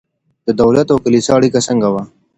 د دولت او کلیسا اړیکه څنګه وه؟